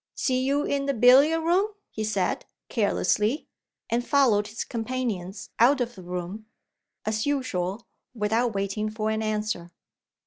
"See you in the billiard room?" he said, carelessly, and followed his companions out of the room as usual, without waiting for an answer.